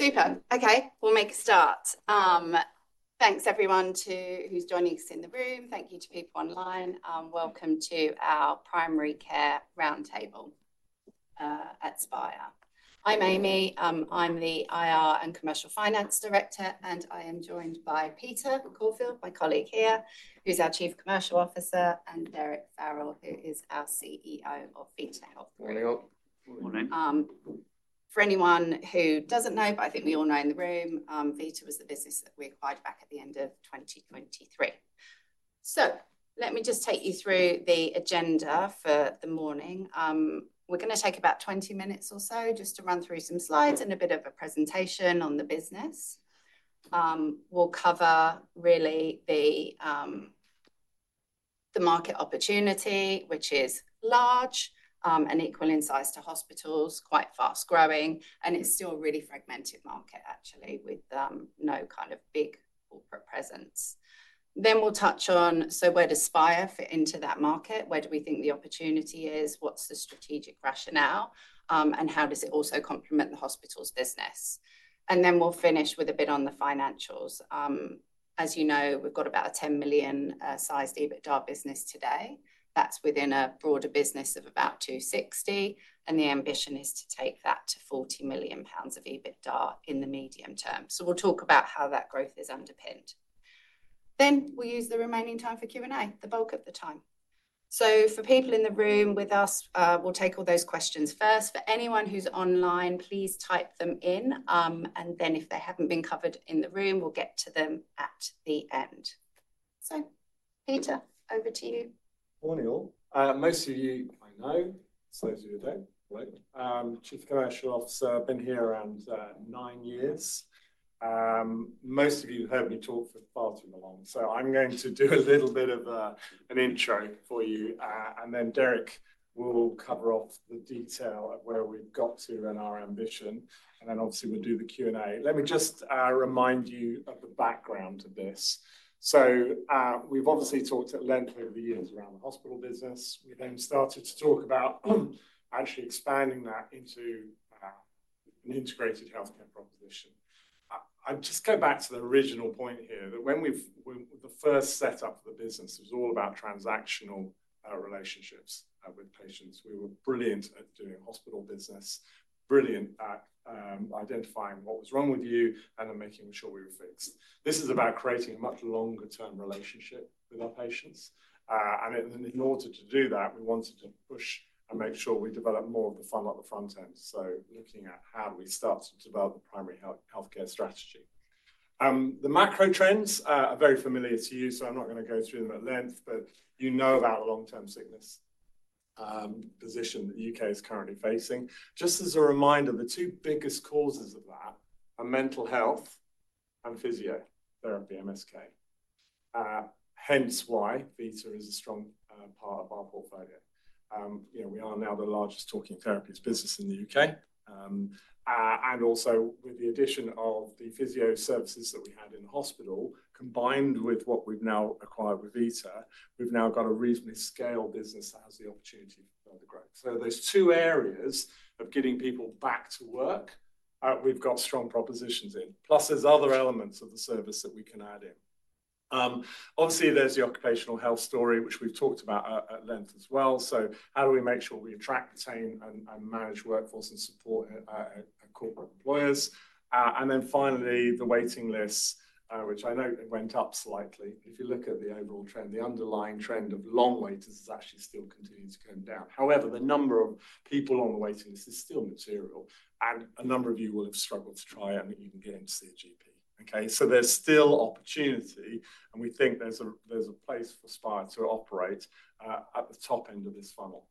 Super. Okay, we'll make a start. Thanks, everyone who's joining us in the room. Thank you to people online. Welcome to our Primary Care Roundtable at Spire. I'm Amy. I'm the IR and Commercial Finance Director, and I am joined by Peter Corfield, my colleague here, who's our Chief Commercial Officer, and Derrick Farrell, who is our CEO of Vita Health Group. Morning. Morning. For anyone who doesn't know, but I think we all know in the room, Vita was the business that we acquired back at the end of 2023. Let me just take you through the agenda for the morning. We're going to take about 20 minutes or so just to run through some slides and a bit of a presentation on the business. We'll cover really the market opportunity, which is large and equal in size to hospitals, quite fast growing, and it's still a really fragmented market, actually, with no kind of big corporate presence. We will touch on, so where does Spire fit into that market? Where do we think the opportunity is? What's the strategic rationale? How does it also complement the hospitals business? We will finish with a bit on the financials. As you know, we've got about a 10 million sized EBITDA business today. That's within a broader business of about 260 million. The ambition is to take that to 40 million pounds of EBITDA in the medium term. We will talk about how that growth is underpinned. We will use the remaining time for Q&A, the bulk of the time. For people in the room with us, we will take all those questions first. For anyone who is online, please type them in. If they have not been covered in the room, we will get to them at the end. Peter, over to you. Morning all. Most of you I know, some of you I do not. Chief Commercial Officer, I have been here around nine years. Most of you have heard me talk for far too long. I am going to do a little bit of an intro for you. Derrick will cover off the detail of where we have got to and our ambition. Obviously, we will do the Q&A. Let me just remind you of the background of this. We have talked at length over the years around the hospital business. We then started to talk about actually expanding that into an integrated healthcare proposition. I just go back to the original point here that when we, the first setup of the business was all about transactional relationships with patients. We were brilliant at doing hospital business, brilliant at identifying what was wrong with you and then making sure we were fixed. This is about creating a much longer-term relationship with our patients. In order to do that, we wanted to push and make sure we develop more of the front end. Looking at how we start to develop a primary healthcare strategy. The macro trends are very familiar to you, so I'm not going to go through them at length, but you know about the long-term sickness position that the UK is currently facing. Just as a reminder, the two biggest causes of that are mental health and physiotherapy, MSK. Hence why Vita is a strong part of our portfolio. We are now the largest talking therapies business in the UK Also, with the addition of the physio services that we had in the hospital, combined with what we've now acquired with Vita, we've now got a reasonably scaled business that has the opportunity for further growth. There are two areas of getting people back to work we have strong propositions in. Plus, there are other elements of the service that we can add in. Obviously, there is the occupational health story, which we've talked about at length as well. How do we make sure we attract, retain, and manage workforce and support corporate employers? Finally, the waiting lists, which I know went up slightly. If you look at the overall trend, the underlying trend of long waiters is actually still continuing to go down. However, the number of people on the waiting list is still material. A number of you will have struggled to try it and even get into NHS GP. Okay, there is still opportunity. We think there is a place for Spire to operate at the top end of this funnel.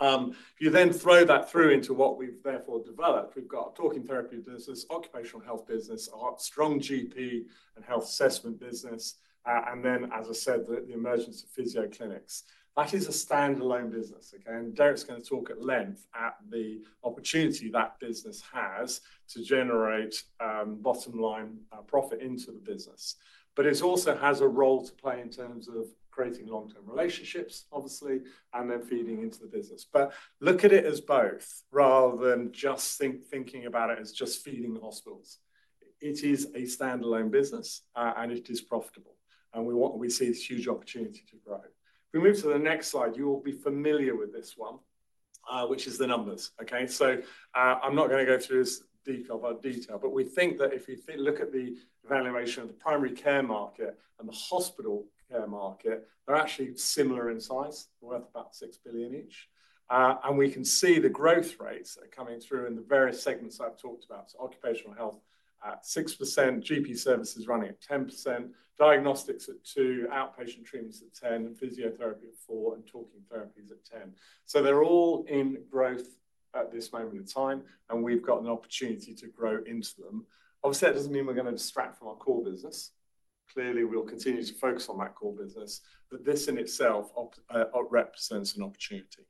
If you then throw that through into what we have therefore developed, we have got a talking therapy business, occupational health business, a strong GP and health assessment business, and then, as I said, the emergence of physio clinics. That is a standalone business. Okay, and Derrick is going to talk at length at the opportunity that business has to generate bottom line profit into the business. It also has a role to play in terms of creating long-term relationships, obviously, and then feeding into the business. Look at it as both rather than just thinking about it as just feeding hospitals. It is a standalone business, and it is profitable. We see this huge opportunity to grow. If we move to the next slide, you will be familiar with this one, which is the numbers. Okay, so I'm not going to go through this detail by detail, but we think that if you look at the evaluation of the primary care market and the hospital care market, they're actually similar in size, worth about 6 billion each. We can see the growth rates that are coming through in the various segments I've talked about. Occupational health at 6%, GP services running at 10%, diagnostics at 2%, outpatient treatments at 10%, physiotherapy at 4%, and talking therapies at 10%. They're all in growth at this moment in time, and we've got an opportunity to grow into them. Obviously, that doesn't mean we're going to distract from our core business. Clearly, we'll continue to focus on that core business, but this in itself represents an opportunity.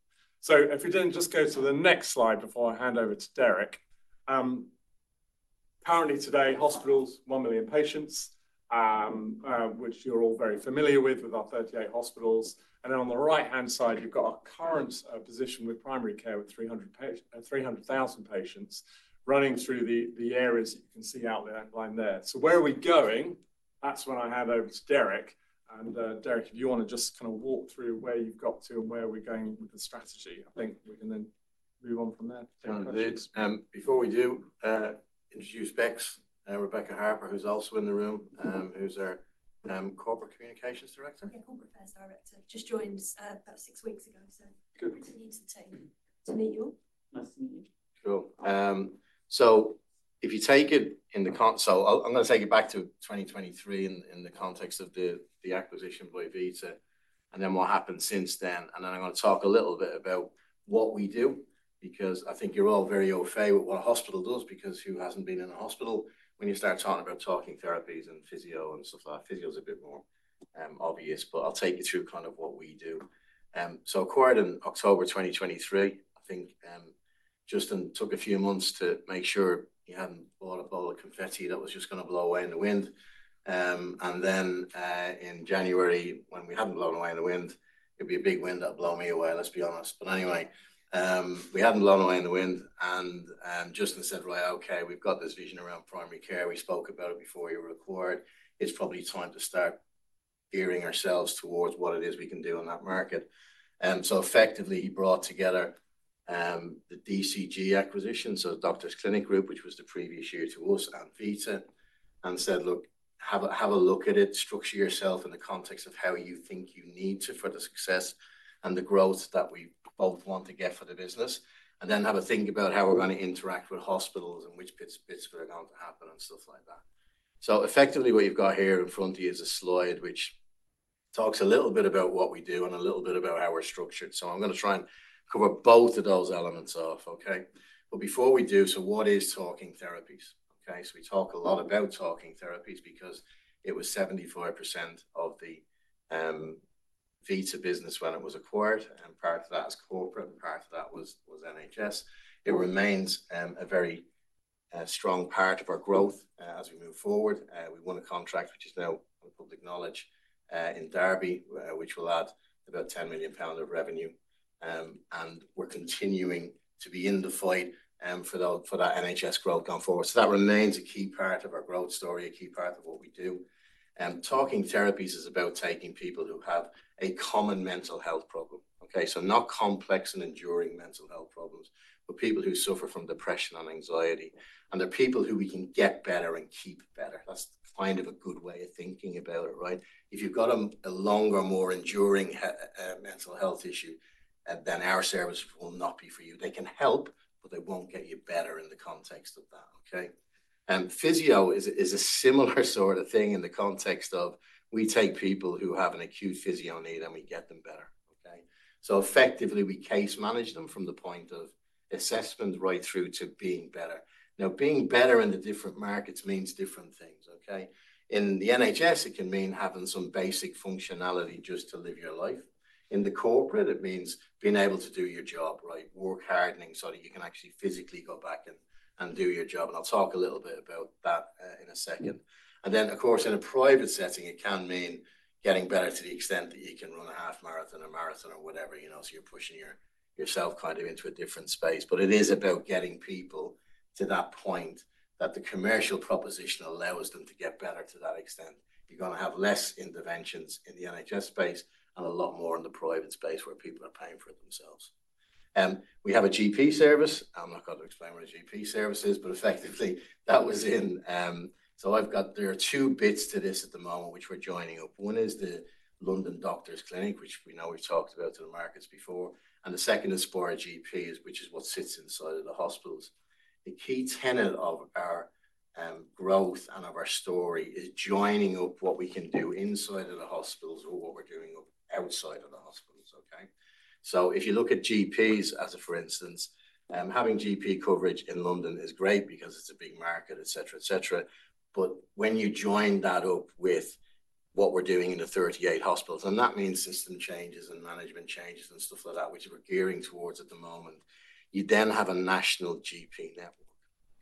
If we then just go to the next slide before I hand over to Derrick. Apparently today, hospitals, 1 million patients, which you're all very familiar with, with our 38 hospitals. On the right-hand side, you've got our current position with primary care with 300,000 patients running through the areas that you can see outlined there. Where are we going? That's when I hand over to Derrick. Derrick, if you want to just kind of walk through where you've got to and where we're going with the strategy, I think we can then move on from there. I did. Before we do, introduce Bex, Rebecca Harper, who's also in the room, who's our Corporate Affairs Director. Yeah, Corporate Affairs Director. Just joined about six weeks ago. So good to meet you all. Nice to meet you. Cool. If you take it in the console, I'm going to take it back to 2023 in the context of the acquisition by Vita. What happened since then. I'm going to talk a little bit about what we do, because I think you're all very au fait with what a hospital does, because who hasn't been in a hospital? When you start talking about talking therapies and physio and stuff like that, physio is a bit more obvious, but I'll take you through kind of what we do. Acquired in October 2023, I think Justin took a few months to make sure he hadn't bought a bottle of confetti that was just going to blow away in the wind. In January, when we hadn't blown away in the wind, it'd be a big wind that would blow me away, let's be honest. Anyway, we hadn't blown away in the wind. Justin said, right, okay, we've got this vision around primary care. We spoke about it before you were acquired. It's probably time to start gearing ourselves towards what it is we can do in that market. Effectively, he brought together the DCG acquisition, so Doctors Clinic Group, which was the previous year to us and Vita, and said, look, have a look at it, structure yourself in the context of how you think you need to for the success and the growth that we both want to get for the business. Then have a think about how we're going to interact with hospitals and which bits are going to happen and stuff like that. Effectively, what you've got here in front of you is a slide which talks a little bit about what we do and a little bit about how we're structured. I'm going to try and cover both of those elements off, okay? Before we do, what is talking therapies? We talk a lot about talking therapies because it was 75% of the Vita business when it was acquired, and part of that is corporate, and part of that was NHS. It remains a very strong part of our growth as we move forward. We won a contract, which is now public knowledge in Derby, which will add about 10 million pounds of revenue. We're continuing to be in the fight for that NHS growth going forward. That remains a key part of our growth story, a key part of what we do. Talking therapies is about taking people who have a common mental health problem, okay? Not complex and enduring mental health problems, but people who suffer from depression and anxiety. They're people who we can get better and keep better. That's kind of a good way of thinking about it, right? If you've got a longer, more enduring mental health issue, then our service will not be for you. They can help, but they won't get you better in the context of that, okay? Physio is a similar sort of thing in the context of we take people who have an acute physio need and we get them better, okay? Effectively, we case manage them from the point of assessment right through to being better. Now, being better in the different markets means different things, okay? In the NHS, it can mean having some basic functionality just to live your life. In the corporate, it means being able to do your job right, work hardening so that you can actually physically go back and do your job. I'll talk a little bit about that in a second. Of course, in a private setting, it can mean getting better to the extent that you can run a half marathon or marathon or whatever, you know, so you're pushing yourself kind of into a different space. It is about getting people to that point that the commercial proposition allows them to get better to that extent. You're going to have less interventions in the NHS space and a lot more in the private space where people are paying for it themselves. We have a GP service. I'm not going to explain what a GP service is, but effectively, that was in. I've got there are two bits to this at the moment which we're joining up. One is the London Doctors Clinic, which we know we've talked about in the markets before. The second is Spire GPs, which is what sits inside of the hospitals. The key tenet of our growth and of our story is joining up what we can do inside of the hospitals or what we're doing outside of the hospitals, okay? If you look at GPs, as for instance, having GP coverage in London is great because it's a big market, etc., etc. When you join that up with what we're doing in the 38 hospitals, and that means system changes and management changes and stuff like that, which we're gearing towards at the moment, you then have a national GP network,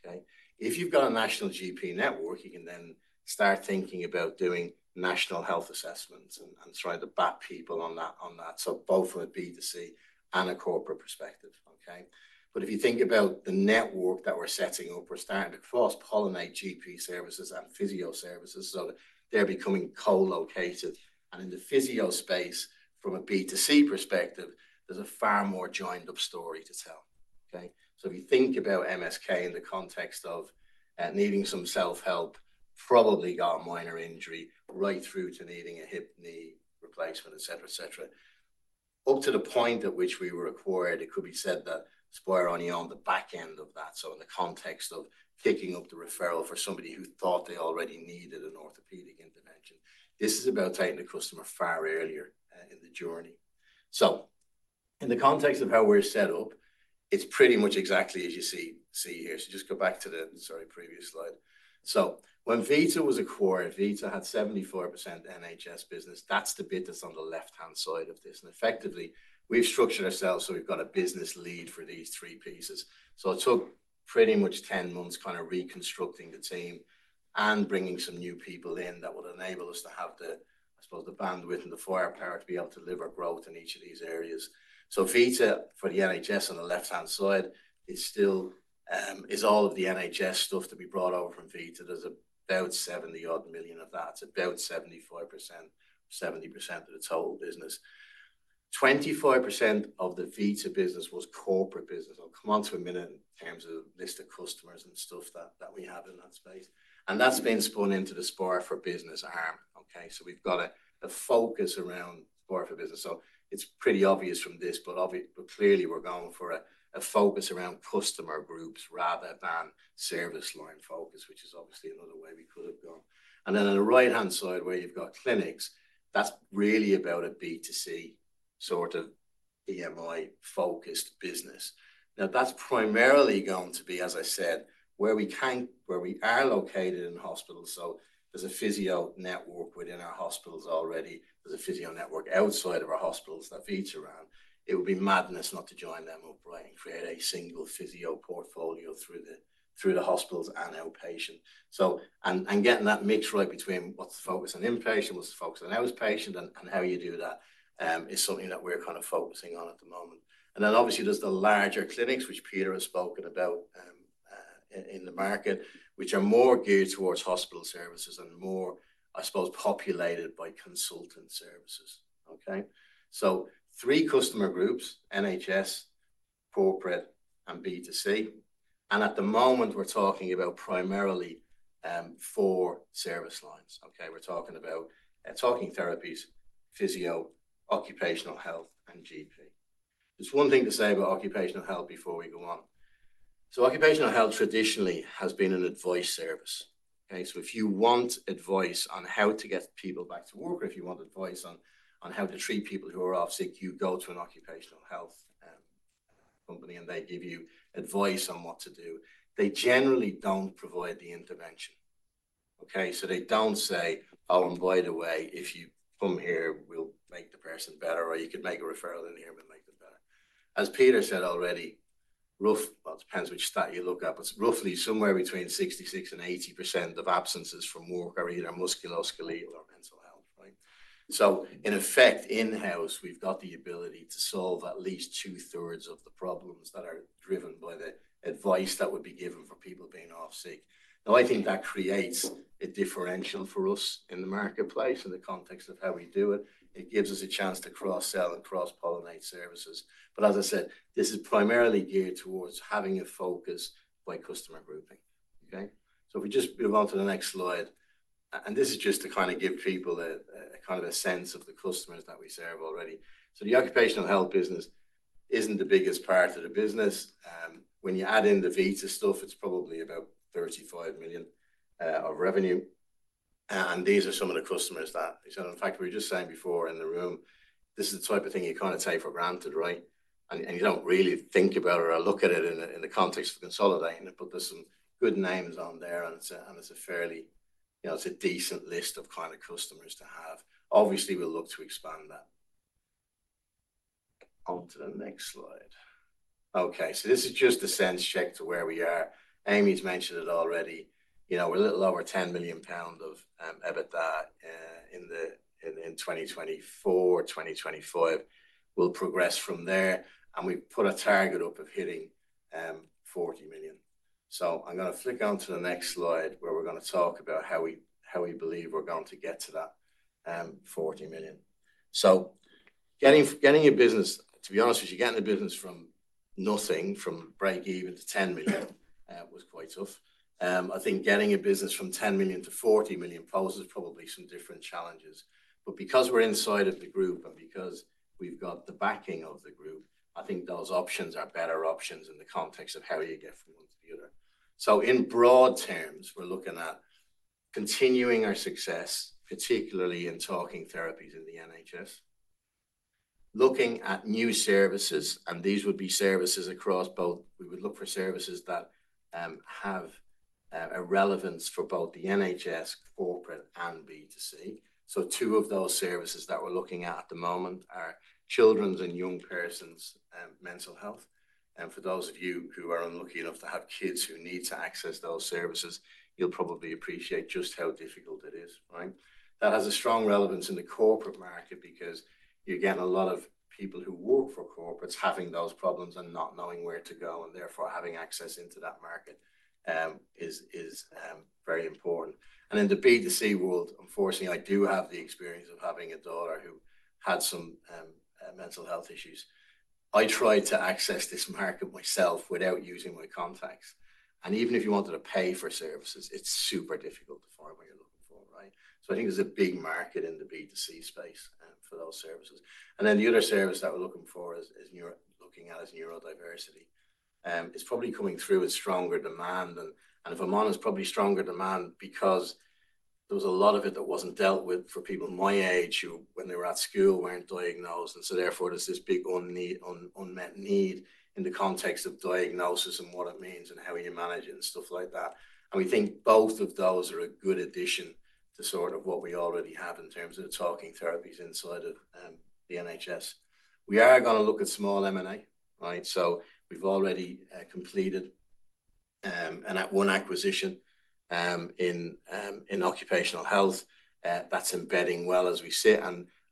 okay? If you've got a national GP network, you can then start thinking about doing national health assessments and trying to bat people on that. Both from a B2C and a corporate perspective, okay? If you think about the network that we're setting up, we're starting to cross-pollinate GP services and physio services so that they're becoming co-located. In the physio space, from a B2C perspective, there's a far more joined-up story to tell, okay? If you think about MSK in the context of needing some self-help, probably got a minor injury, right through to needing a hip, knee replacement, etc., etc. Up to the point at which we were acquired, it could be said that Spire only on the back end of that. In the context of picking up the referral for somebody who thought they already needed an orthopedic intervention, this is about taking the customer far earlier in the journey. In the context of how we're set up, it's pretty much exactly as you see here. Just go back to the, sorry, previous slide. When Vita was acquired, Vita had 74% NHS business. That's the bit that's on the left-hand side of this. Effectively, we've structured ourselves so we've got a business lead for these three pieces. It took pretty much 10 months kind of reconstructing the team and bringing some new people in that would enable us to have the, I suppose, the bandwidth and the firepower to be able to deliver growth in each of these areas. Vita for the NHS on the left-hand side is still, is all of the NHS stuff to be brought over from Vita. There is about 70 million of that. It is about 75%, 70% of the total business. 25% of the Vita business was corporate business. I will come on to a minute in terms of list of customers and stuff that we have in that space. That has been spun into the Spire for Business arm, okay? We have got a focus around Spire for Business. It is pretty obvious from this, but clearly we are going for a focus around customer groups rather than service line focus, which is obviously another way we could have gone. On the right-hand side where you have got clinics, that is really about a B2C sort of EMI-focused business. Now, that is primarily going to be, as I said, where we are located in hospitals. There is a physio network within our hospitals already. There is a physio network outside of our hospitals that Vita ran. It would be madness not to join them up, right, and create a single physio portfolio through the hospitals and outpatient. Getting that mix right between what is the focus on inpatient, what is the focus on outpatient, and how you do that is something that we are kind of focusing on at the moment. There are obviously the larger clinics, which Peter has spoken about in the market, which are more geared towards hospital services and more, I suppose, populated by consultant services, okay? Three customer groups: NHS, corporate, and B2C. At the moment, we're talking about primarily four service lines, okay? We're talking about talking therapies, physio, occupational health, and GP. There is one thing to say about occupational health before we go on. Occupational health traditionally has been an advice service, okay? If you want advice on how to get people back to work, or if you want advice on how to treat people who are off sick, you go to an occupational health company, and they give you advice on what to do. They generally do not provide the intervention, okay? They do not say, "Oh, and by the way, if you come here, we'll make the person better," or, "You could make a referral in here and we'll make them better." As Peter said already, rough, well, it depends which stat you look at, but roughly somewhere between 66% and 80% of absences from work are either musculoskeletal or mental health, right? In effect, in-house, we have the ability to solve at least two-thirds of the problems that are driven by the advice that would be given for people being off sick. I think that creates a differential for us in the marketplace in the context of how we do it. It gives us a chance to cross-sell and cross-pollinate services. As I said, this is primarily geared towards having a focus by customer grouping, okay? If we just move on to the next slide, and this is just to kind of give people a kind of a sense of the customers that we serve already. The occupational health business is not the biggest part of the business. When you add in the Vita stuff, it is probably about 35 million of revenue. These are some of the customers that, in fact, we were just saying before in the room, this is the type of thing you kind of take for granted, right? You do not really think about it or look at it in the context of consolidating it, but there are some good names on there, and it is a fairly, you know, it is a decent list of kind of customers to have. Obviously, we will look to expand that. On to the next slide. Okay, so this is just a sense check to where we are. Amy's mentioned it already. You know, we're a little over 10 million pound of EBITDA in 2024, 2025. We'll progress from there. We've put a target up of hitting 40 million. I'm going to flick on to the next slide where we're going to talk about how we believe we're going to get to that 40 million. Getting a business, to be honest with you, getting a business from nothing, from break even to 10 million was quite tough. I think getting a business from 10 million to 40 million poses probably some different challenges. Because we're inside of the group and because we've got the backing of the group, I think those options are better options in the context of how you get from one to the other. In broad terms, we're looking at continuing our success, particularly in talking therapies in the NHS, looking at new services, and these would be services across both. We would look for services that have a relevance for both the NHS, corporate, and B2C. Two of those services that we're looking at at the moment are children's and young persons' mental health. For those of you who are unlucky enough to have kids who need to access those services, you'll probably appreciate just how difficult it is, right? That has a strong relevance in the corporate market because you're getting a lot of people who work for corporates having those problems and not knowing where to go, and therefore having access into that market is very important. In the B2C world, unfortunately, I do have the experience of having a daughter who had some mental health issues. I tried to access this market myself without using my contacts. Even if you wanted to pay for services, it's super difficult to find what you're looking for, right? I think there's a big market in the B2C space for those services. The other service that we're looking at is neurodiversity. It's probably coming through with stronger demand. If I'm honest, probably stronger demand because there was a lot of it that wasn't dealt with for people my age who, when they were at school, weren't diagnosed. Therefore, there's this big unmet need in the context of diagnosis and what it means and how you manage it and stuff like that. We think both of those are a good addition to sort of what we already have in terms of the talking therapies inside of the NHS. We are going to look at small M&A, right? We have already completed an add-one acquisition in occupational health that is embedding well as we sit.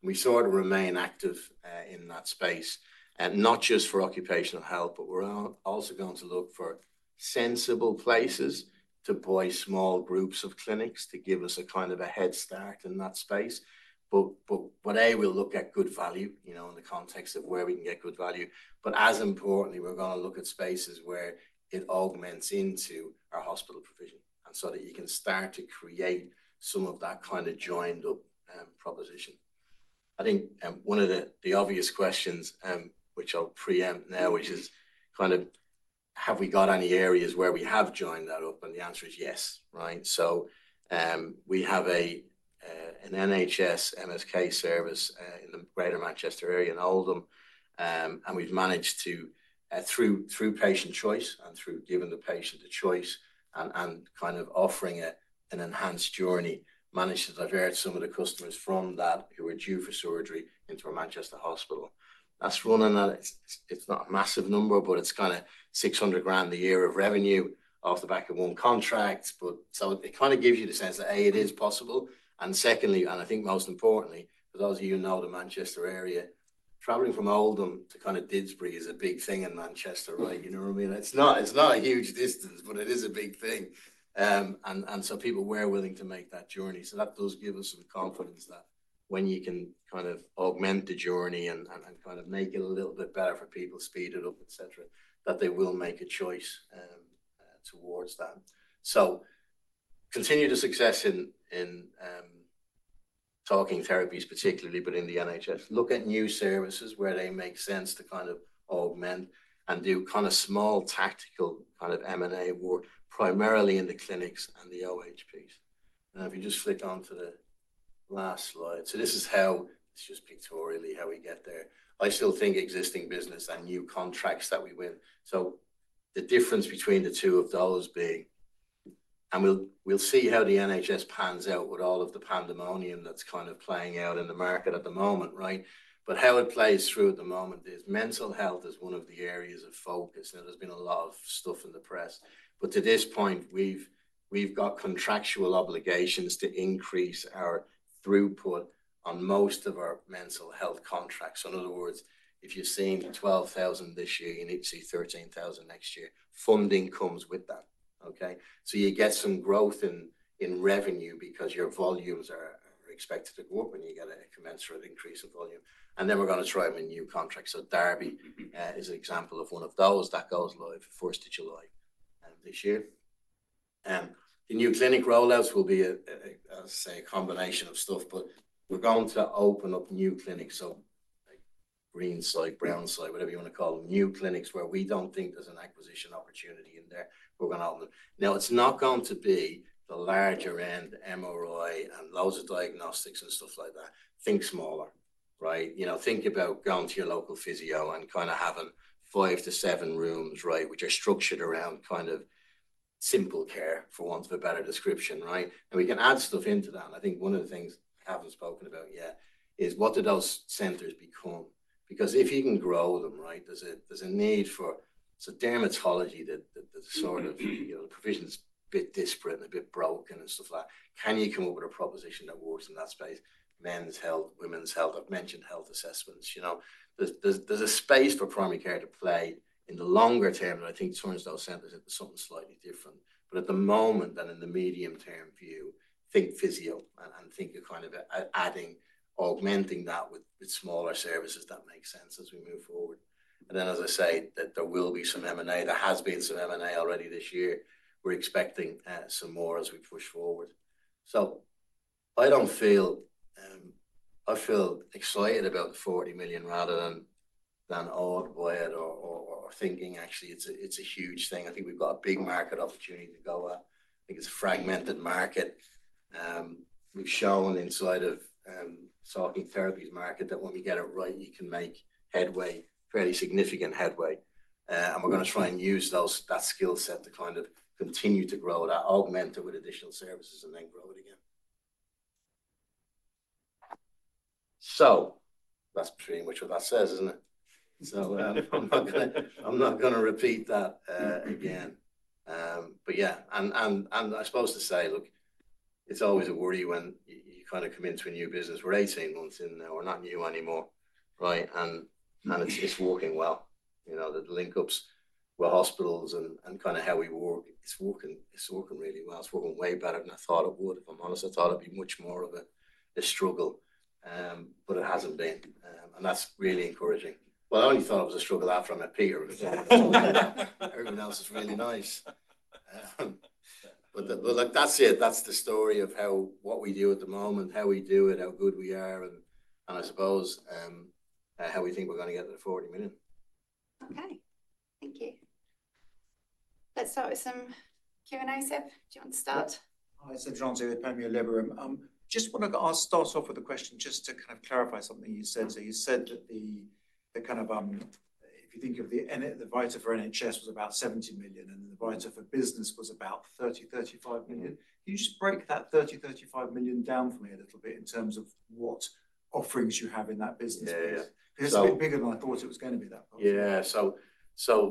We sort of remain active in that space, not just for occupational health, but we are also going to look for sensible places to buy small groups of clinics to give us a kind of a head start in that space. A, we will look at good value, you know, in the context of where we can get good value. As importantly, we are going to look at spaces where it augments into our hospital provision so that you can start to create some of that kind of joined-up proposition. I think one of the obvious questions, which I will preempt now, which is kind of, have we got any areas where we have joined that up? The answer is yes, right? We have an NHS MSK service in the Greater Manchester area in Oldham. We have managed to, through patient choice and through giving the patient a choice and kind of offering an enhanced journey, managed to divert some of the customers from that who were due for surgery into a Manchester hospital. That is running, it is not a massive number, but it is kind of 600,000 a year of revenue off the back of one contract. It kind of gives you the sense that, A, it is possible. Secondly, and I think most importantly, for those of you who know the Manchester area, traveling from Oldham to kind of Didsbury is a big thing in Manchester, right? You know what I mean? It is not a huge distance, but it is a big thing. People were willing to make that journey. That does give us some confidence that when you can kind of augment the journey and kind of make it a little bit better for people, speed it up, etc., that they will make a choice towards that. Continue to success in talking therapies, particularly, but in the NHS. Look at new services where they make sense to kind of augment and do kind of small tactical kind of M&A work, primarily in the clinics and the OHPs. If you just flick on to the last slide, this is how, it's just pictorially how we get there. I still think existing business and new contracts that we win. The difference between the two of those being, and we'll see how the NHS pans out with all of the pandemonium that's kind of playing out in the market at the moment, right? How it plays through at the moment is mental health is one of the areas of focus. There has been a lot of stuff in the press. To this point, we've got contractual obligations to increase our throughput on most of our mental health contracts. In other words, if you're seeing 12,000 this year, you need to see 13,000 next year. Funding comes with that, okay? You get some growth in revenue because your volumes are expected to go up when you get a commensurate increase in volume. We are going to try them in new contracts. Derby is an example of one of those that goes live July 1, 2024. The new clinic rollouts will be, I'll say, a combination of stuff, but we're going to open up new clinics, so green site, brown site, whatever you want to call them, new clinics where we don't think there's an acquisition opportunity in there. We're going to open them. Now, it's not going to be the larger end MRI and loads of diagnostics and stuff like that. Think smaller, right? You know, think about going to your local physio and kind of having five to seven rooms, right, which are structured around kind of simple care, for want of a better description, right? And we can add stuff into that. I think one of the things I haven't spoken about yet is what do those centers become? Because if you can grow them, right, there's a need for, it's a dermatology that sort of, you know, the provision is a bit disparate and a bit broken and stuff like that. Can you come up with a proposition that works in that space? Men's health, women's health, I've mentioned health assessments. You know, there's a space for primary care to play in the longer term. I think sometimes those centers are something slightly different. At the moment, then in the medium-term view, think physio and think of kind of adding, augmenting that with smaller services that make sense as we move forward. As I say, there will be some M&A. There has been some M&A already this year. We're expecting some more as we push forward. I do not feel, I feel excited about the 40 million rather than awkward or thinking actually it's a huge thing. I think we've got a big market opportunity to go at. I think it's a fragmented market. We've shown inside of the talking therapies market that when we get it right, you can make headway, fairly significant headway. We're going to try and use that skill set to kind of continue to grow that, augment it with additional services, and then grow it again. That's pretty much what that says, isn't it? I'm not going to repeat that again. Yeah, I'm supposed to say, look, it's always a worry when you kind of come into a new business. We're 18 months in now. We're not new anymore, right? It's working well. You know, the link-ups with hospitals and kind of how we work, it's working really well. It's working way better than I thought it would. If I'm honest, I thought it'd be much more of a struggle, but it hasn't been. That is really encouraging. I only thought it was a struggle after I met Peter. Everyone else is really nice. That is it. That is the story of what we do at the moment, how we do it, how good we are, and I suppose how we think we're going to get to the 40 million. Okay. Thank you. Let's start with some Q&A, Seb. Do you want to start? Hi, Seb Johns here with Panmure Liberum. Just want to start off with a question just to kind of clarify something you said. You said that the kind of, if you think of the Vita for NHS was about 70 million, and then the Vita for business was about 30-35 million. Can you just break that 30-35 million down for me a little bit in terms of what offerings you have in that business space? Because it is a bit bigger than I thought it was going to be, that part. Yeah.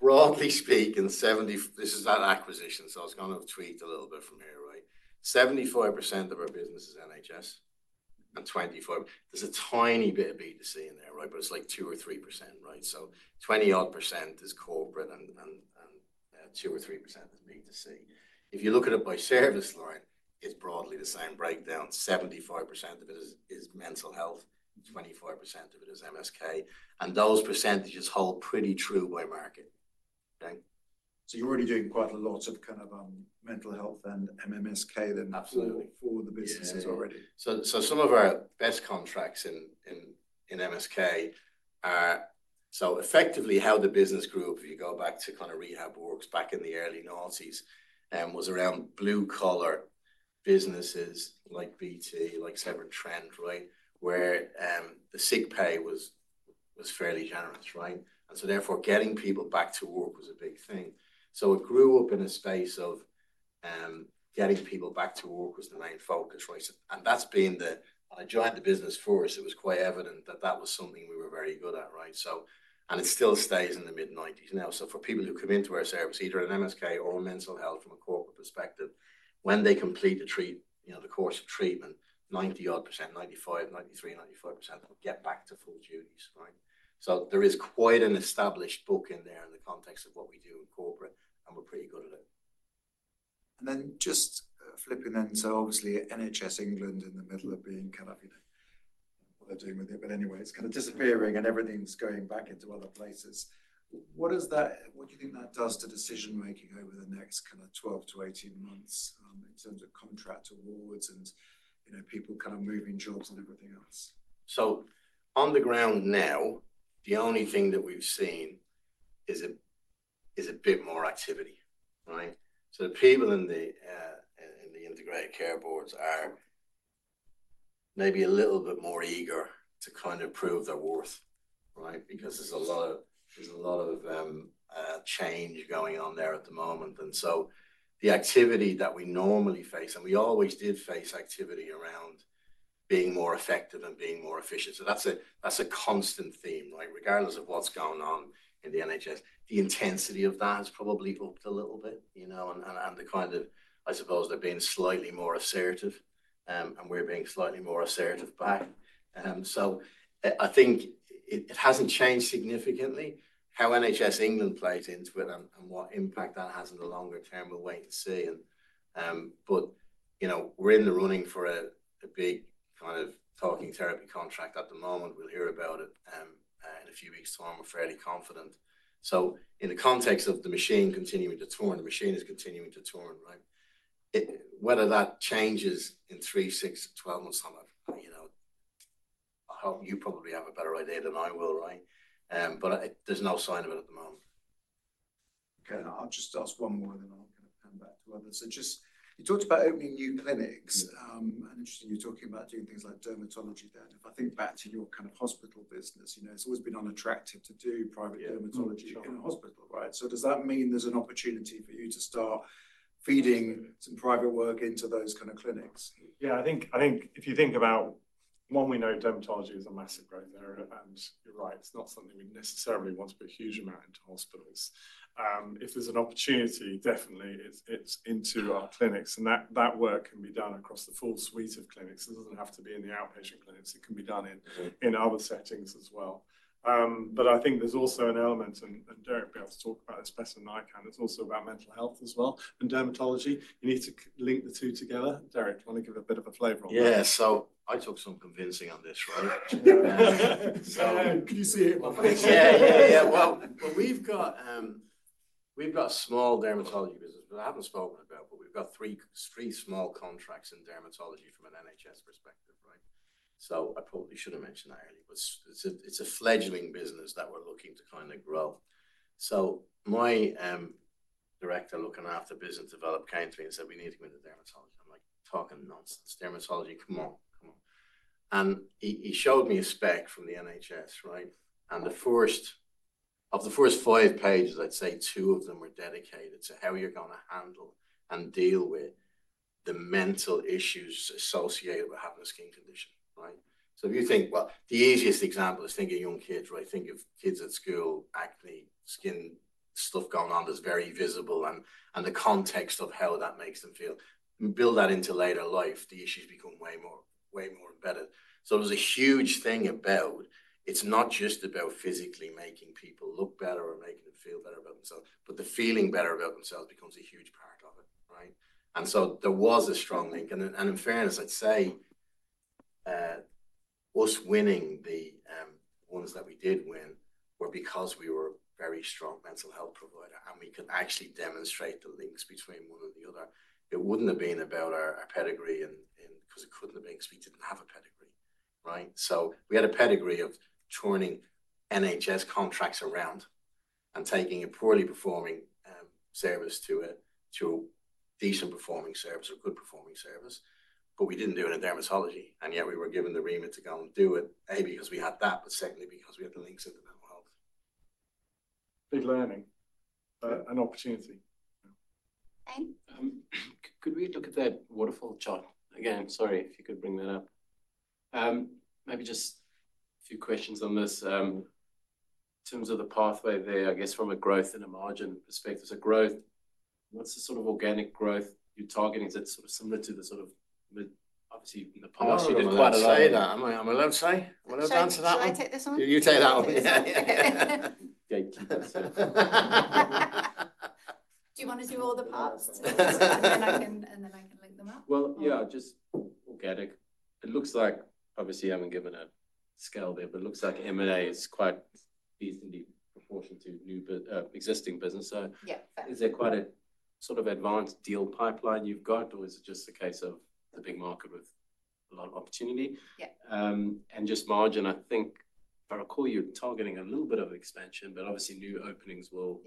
Broadly speaking, this is that acquisition. I was going to tweak a little bit from here, right? 75% of our business is NHS and 25%. There is a tiny bit of B2C in there, right? But it is like 2 or 3%, right? So 20-odd percent is corporate and 2 or 3% is B2C. If you look at it by service line, it is broadly the same breakdown. 75% of it is mental health, 25% of it is MSK. Those percentages hold pretty true by market. Okay. You're already doing quite a lot of kind of mental health and MSK that are for the businesses already. Some of our best contracts in MSK are. Effectively, how the business grew, if you go back to kind of RehabWorks (integrated into Vita Health Group) back in the early noughties, was around blue-collar businesses like BT, like Severn Trent, right? Where the sick pay was fairly generous, right? Therefore, getting people back to work was a big thing. It grew up in a space of getting people back to work was the main focus, right? When I joined the business first, it was quite evident that that was something we were very good at, right? It still stays in the mid-90s now. For people who come into our service, either in MSK or mental health from a corporate perspective, when they complete the course, you know, the course of treatment, 90-odd percent, 95, 93, 95% will get back to full duties, right? There is quite an established book in there in the context of what we do in corporate, and we're pretty good at it. Just flipping then, obviously NHS England in the middle of being kind of, you know, what they're doing with it, but anyway, it's kind of disappearing and everything's going back into other places. What does that, what do you think that does to decision-making over the next 12-18 months in terms of contract awards and, you know, people kind of moving jobs and everything else? On the ground now, the only thing that we've seen is a bit more activity, right? The people in the integrated care boards are maybe a little bit more eager to kind of prove their worth, right? Because there's a lot of change going on there at the moment. The activity that we normally face, and we always did face activity around being more effective and being more efficient. That's a constant theme, right? Regardless of what's going on in the NHS, the intensity of that has probably upped a little bit, you know, and the kind of, I suppose, they're being slightly more assertive, and we're being slightly more assertive back. I think it hasn't changed significantly how NHS England plays into it and what impact that has in the longer term, we'll wait and see. You know, we're in the running for a big kind of talking therapy contract at the moment. We'll hear about it in a few weeks' time. I'm fairly confident. In the context of the machine continuing to turn, the machine is continuing to turn, right? Whether that changes in three, six, twelve months' time, you know, I hope you probably have a better idea than I will, right? There's no sign of it at the moment. Okay. I'll just ask one more and then I'll kind of come back to others. You talked about opening new clinics. Interesting, you're talking about doing things like dermatology there. If I think back to your kind of hospital business, you know, it's always been unattractive to do private dermatology in a hospital, right? Does that mean there's an opportunity for you to start feeding some private work into those kind of clinics? Yeah, I think if you think about, one, we know dermatology is a massive growth area. You're right, it's not something we necessarily want to put a huge amount into hospitals. If there's an opportunity, definitely it's into our clinics. That work can be done across the full suite of clinics. It doesn't have to be in the outpatient clinics. It can be done in other settings as well. I think there's also an element, and Derrick will be able to talk about this better than I can. It's also about mental health as well and dermatology. You need to link the two together. Derrick, do you want to give a bit of a flavor on that? Yeah. I took some convincing on this, right? Can you see it in my face? Yeah, yeah, yeah. We've got a small dermatology business that I haven't spoken about, but we've got three small contracts in dermatology from an NHS perspective, right? I probably should have mentioned that earlier, but it's a fledgling business that we're looking to kind of grow. My director looking after business development came to me and said, "We need to go into dermatology." I'm like, "Talking nonsense. Dermatology, come on, come on." He showed me a spec from the NHS, right? Of the first five pages, I'd say two of them were dedicated to how you're going to handle and deal with the mental issues associated with having a skin condition, right? If you think, the easiest example is think of young kids, right? Think of kids at school, acne, skin stuff going on that's very visible and the context of how that makes them feel. Build that into later life, the issues become way more embedded. There is a huge thing about, it's not just about physically making people look better or making them feel better about themselves, but the feeling better about themselves becomes a huge part of it, right? There was a strong link. In fairness, I'd say us winning the ones that we did win were because we were a very strong mental health provider and we could actually demonstrate the links between one and the other. It would not have been about our pedigree because it could not have been because we did not have a pedigree, right? We had a pedigree of turning NHS contracts around and taking a poorly performing service to a decent performing service or good performing service. We did not do it in dermatology. Yet we were given the remit to go and do it, A, because we had that, but secondly, because we had the links into mental health. Big learning and opportunity. Okay. Could we look at that waterfall chart again? Sorry if you could bring that up. Maybe just a few questions on this. In terms of the pathway there, I guess from a growth and a margin perspective, there is a growth. What is the sort of organic growth you are targeting? Is it sort of similar to the sort of, obviously in the past, you did quite a lot? I am allowed to say that? Am I allowed to say? Am I allowed to answer that one? Should I take this one? You take that one. Okay. Do you want to do all the parts? And then I can link them up. Yeah, just organic. It looks like, obviously, I have not given a scale there, but it looks like M&A is quite decently proportioned to existing business. Is there quite a sort of advanced deal pipeline you have got, or is it just a case of the big market with a lot of opportunity? Just margin, I think if I recall, you are targeting a little bit of expansion, but obviously new openings will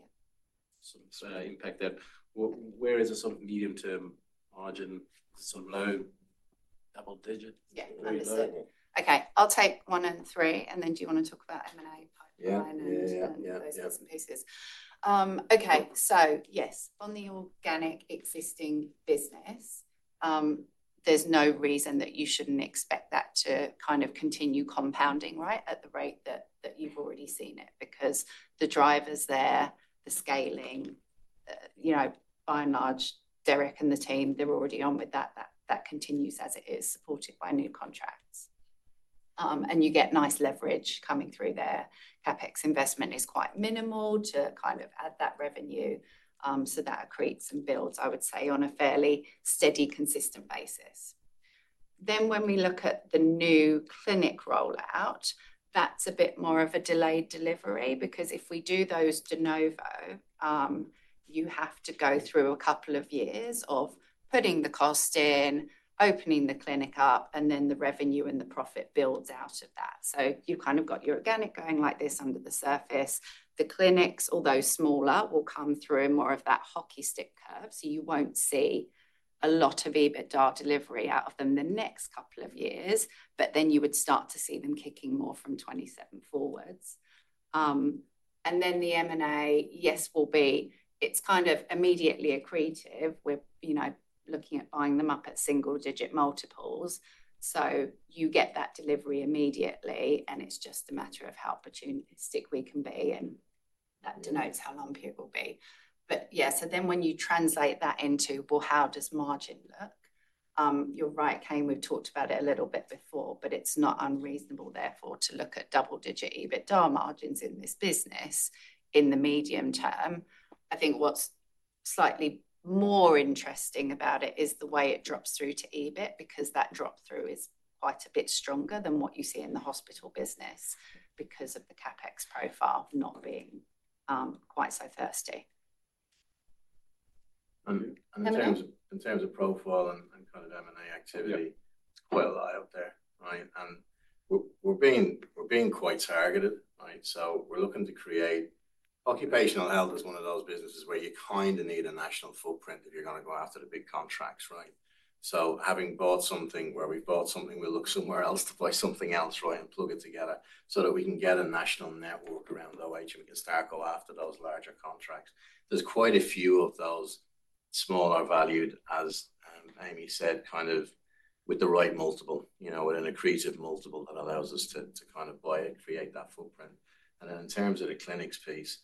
sort of impact that. Where is the sort of medium-term margin? Is it sort of low, double digit? Yeah, understood. Okay. I will take one and three. Then do you want to talk about M&A pipeline and those pieces? Yeah. Okay. Yes, on the organic existing business, there is no reason that you should not expect that to kind of continue compounding, right, at the rate that you have already seen it. Because the drivers there, the scaling, you know, by and large, Derrick and the team, they are already on with that. That continues as it is, supported by new contracts. You get nice leverage coming through there. CapEx investment is quite minimal to kind of add that revenue. That accretes and builds, I would say, on a fairly steady, consistent basis. When we look at the new clinic rollout, that is a bit more of a delayed delivery. Because if we do those de novo, you have to go through a couple of years of putting the cost in, opening the clinic up, and then the revenue and the profit builds out of that. You have kind of got your organic going like this under the surface. The clinics, although smaller, will come through more of that hockey stick curve. You will not see a lot of EBITDA delivery out of them the next couple of years, but then you would start to see them kicking more from 2027 forwards. The M&A, yes, will be, it is kind of immediately accretive. We are looking at buying them up at single-digit multiples. You get that delivery immediately, and it is just a matter of how opportunistic we can be. That denotes how long people will be. Yeah, when you translate that into, how does margin look? You are right, Kane, we have talked about it a little bit before, but it is not unreasonable therefore to look at double-digit EBITDA margins in this business in the medium term. I think what's slightly more interesting about it is the way it drops through to EBIT, because that drop through is quite a bit stronger than what you see in the hospital business because of the CapEx profile not being quite so thirsty. In terms of profile and kind of M&A activity, it's quite a lot out there, right? And we're being quite targeted, right? We're looking to create occupational health is one of those businesses where you kind of need a national footprint if you're going to go after the big contracts, right? Having bought something where we've bought something, we look somewhere else to buy something else, right, and plug it together so that we can get a national network around OH and we can start going after those larger contracts. There's quite a few of those smaller valued, as Amy said, kind of with the right multiple, you know, with an accretive multiple that allows us to kind of buy and create that footprint. In terms of the clinics piece,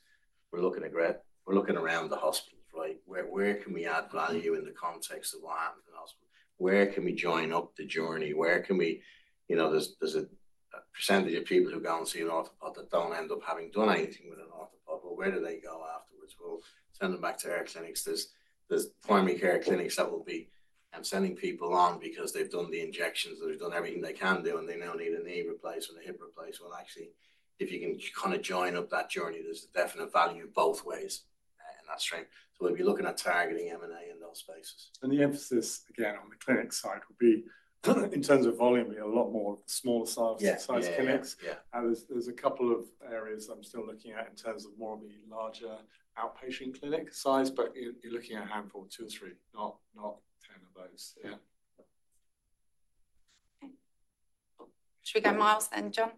we're looking around the hospitals, right? Where can we add value in the context of what happens in the hospital? Where can we join up the journey? You know, there's a percentage of people who go and see an orthopod that do not end up having done anything with an orthopod. Where do they go afterwards? Send them back to our clinics. There's primary care clinics that will be sending people on because they've done the injections, they've done everything they can do, and they now need a knee replacement, a hip replacement. Actually, if you can kind of join up that journey, there's a definite value both ways in that stream. We will be looking at targeting M&A in those spaces. The emphasis, again, on the clinic side would be in terms of volume, be a lot more of the smaller size clinics. There are a couple of areas I'm still looking at in terms of more of the larger outpatient clinic size, but you're looking at a handful, two or three, not 10 of those. Yeah. Okay. Should we go miles then, John?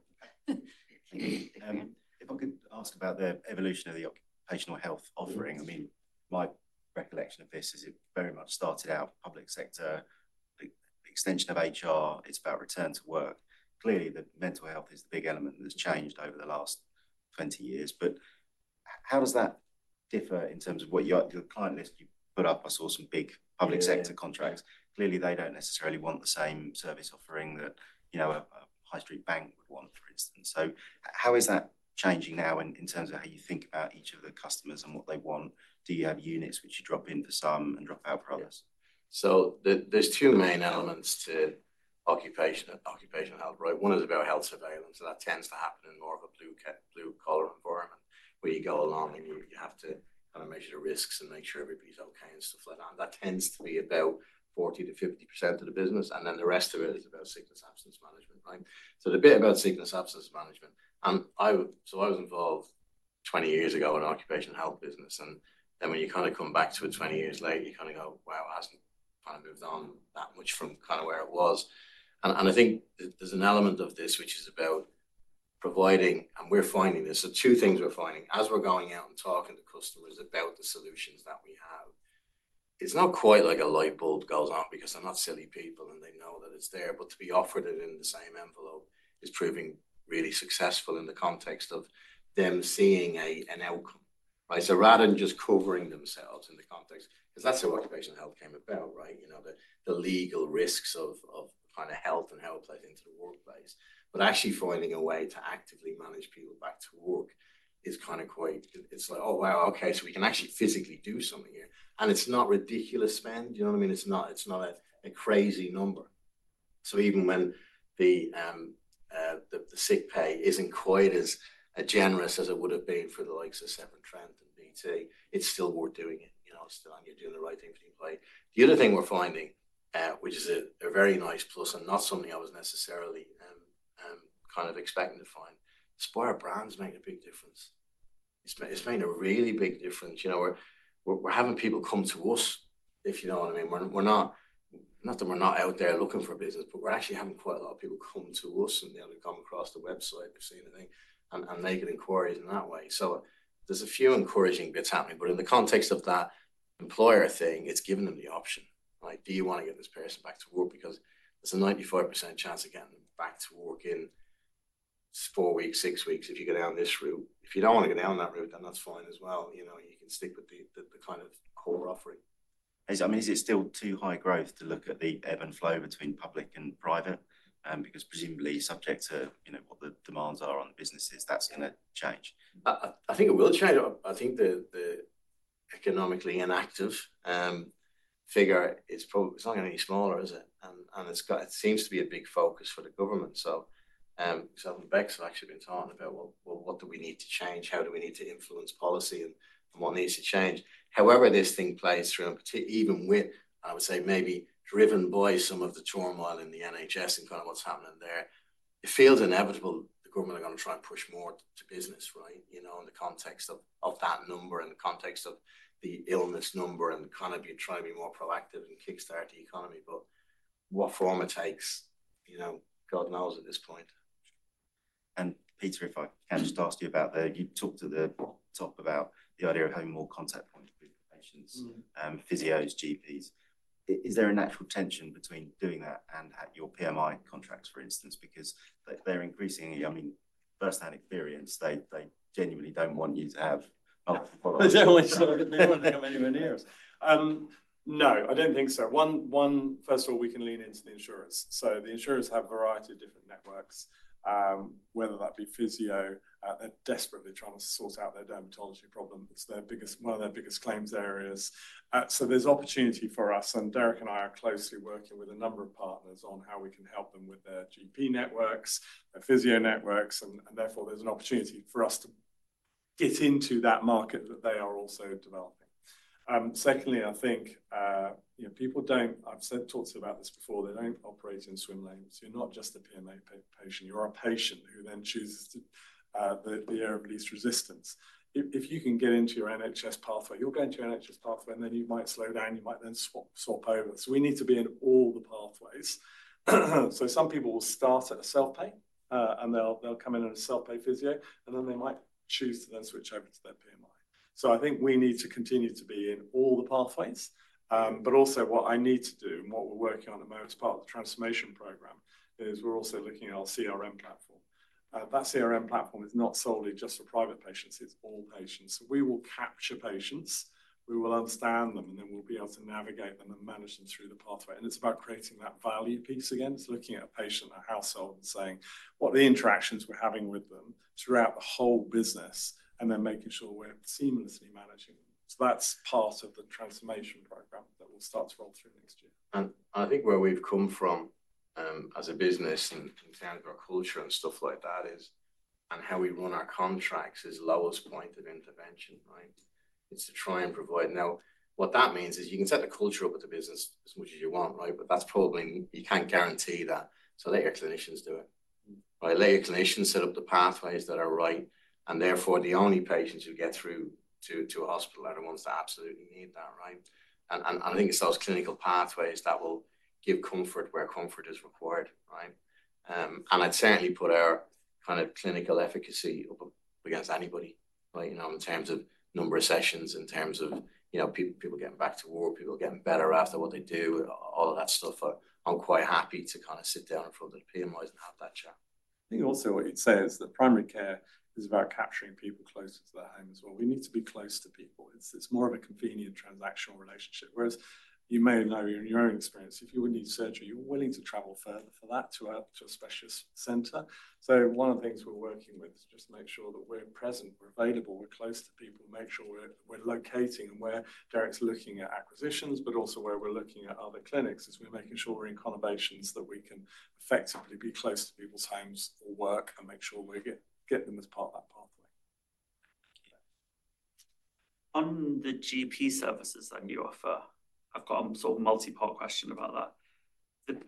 If I could ask about the evolution of the occupational health offering, I mean, my recollection of this is it very much started out public sector, extension of HR. It's about return to work. Clearly, the mental health is the big element that's changed over the last 20 years. How does that differ in terms of what your client list you put up? I saw some big public sector contracts. Clearly, they do not necessarily want the same service offering that, you know, a high street bank would want, for instance. How is that changing now in terms of how you think about each of the customers and what they want? Do you have units which you drop in for some and drop out for others? There are two main elements to occupational health, right? One is about health surveillance. That tends to happen in more of a blue-collar environment where you go along and you have to kind of measure the risks and make sure everybody is okay and stuff like that. That tends to be about 40-50% of the business. The rest of it is about sickness absence management, right? It's a bit about sickness absence management. I was involved 20 years ago in the occupational health business. When you kind of come back to it 20 years later, you kind of go, wow, it hasn't kind of moved on that much from where it was. I think there's an element of this which is about providing, and we're finding this, two things we're finding as we're going out and talking to customers about the solutions that we have. It's not quite like a light bulb goes on because they're not silly people and they know that it's there, but to be offered it in the same envelope is proving really successful in the context of them seeing an outcome, right? Rather than just covering themselves in the context, because that's how occupational health came about, right? You know, the legal risks of kind of health and how it plays into the workplace. Actually finding a way to actively manage people back to work is kind of quite, it's like, oh wow, okay, so we can actually physically do something here. It's not ridiculous spend, you know what I mean? It's not a crazy number. Even when the sick pay isn't quite as generous as it would have been for the likes of Severn Trent and BT, it's still worth doing it. You know, it's still, and you're doing the right thing for your employee. The other thing we're finding, which is a very nice plus and not something I was necessarily kind of expecting to find, Spire brands make a big difference. It's made a really big difference. You know, we're having people come to us, if you know what I mean. We're not, not that we're not out there looking for a business, but we're actually having quite a lot of people come to us and they've come across the website, they've seen the thing, and they get inquiries in that way. There are a few encouraging bits happening. In the context of that employer thing, it's given them the option, right? Do you want to get this person back to work? Because there's a 95% chance of getting them back to work in four weeks, six weeks if you go down this route. If you do not want to go down that route, then that's fine as well. You know, you can stick with the kind of core offering. I mean, is it still too high growth to look at the ebb and flow between public and private? Because presumably subject to, you know, what the demands are on the businesses, that's going to change. I think it will change. I think the economically inactive figure is probably, it's not going to be smaller, is it? It seems to be a big focus for the government. Southern Bex have actually been talking about, well, what do we need to change? How do we need to influence policy and what needs to change? However this thing plays through, and even with, I would say maybe driven by some of the turmoil in the NHS and kind of what's happening there, it feels inevitable the government are going to try and push more to business, right? You know, in the context of that number, in the context of the illness number and kind of trying to be more proactive and kickstart the economy. What form it takes, you know, God knows at this point. Peter, if I can just ask you about the, you talked at the top about the idea of having more contact points with patients, physios, GPs. Is there a natural tension between doing that and your PMI contracts, for instance? Because they're increasingly, I mean, firsthand experience, they genuinely do not want you to have multiple follow-ups. They do not want you to have any maneuvers. No, I do not think so. First of all, we can lean into the insurance. The insurers have a variety of different networks, whether that be physio, they are desperately trying to sort out their dermatology problem. It is one of their biggest claims areas. There is opportunity for us. Derrick and I are closely working with a number of partners on how we can help them with their GP networks, their physio networks. Therefore, there's an opportunity for us to get into that market that they are also developing. Secondly, I think, you know, people don't, I've talked to you about this before, they don't operate in swim lanes. You're not just a PMI patient. You're a patient who then chooses the area of least resistance. If you can get into your NHS pathway, you'll go into your NHS pathway and then you might slow down, you might then swap over. We need to be in all the pathways. Some people will start at a self-pay and they'll come in on a self-pay physio and then they might choose to then switch over to their PMI. I think we need to continue to be in all the pathways. What I need to do and what we're working on as part of the transformation program is we're also looking at our CRM platform. That CRM platform is not solely just for private patients, it's all patients. We will capture patients, we will understand them, and then we'll be able to navigate them and manage them through the pathway. It's about creating that value piece again. It's looking at a patient, a household, and saying what are the interactions we're having with them throughout the whole business and then making sure we're seamlessly managing them. That's part of the transformation program that will start to roll through next year. I think where we've come from as a business in terms of our culture and stuff like that is, and how we run our contracts is Lowe's point of intervention, right? It's to try and provide. Now, what that means is you can set the culture up at the business as much as you want, right? That's probably, you can't guarantee that. Let your clinicians do it. Let your clinicians set up the pathways that are right. Therefore, the only patients who get through to a hospital are the ones that absolutely need that, right? I think it's those clinical pathways that will give comfort where comfort is required, right? I'd certainly put our kind of clinical efficacy up against anybody, right? You know, in terms of number of sessions, in terms of, you know, people getting back to work, people getting better after what they do, all of that stuff. I'm quite happy to kind of sit down in front of the PMIs and have that chat. I think also what you'd say is that primary care is about capturing people closer to their home as well. We need to be close to people. It's more of a convenient transactional relationship. Whereas you may know in your own experience, if you would need surgery, you're willing to travel further for that to a specialist center. One of the things we're working with is just to make sure that we're present, we're available, we're close to people, make sure we're locating and where Derrick's looking at acquisitions, but also where we're looking at other clinics is we're making sure we're in conversations that we can effectively be close to people's homes or work and make sure we get them as part of that pathway. On the GP services that you offer, I've got a sort of multi-part question about that.